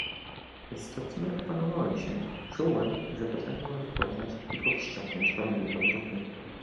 "Istotnie opanowałem się, czułem, że potrafię rozpoznać i powściągnąć chorobliwe odruchy."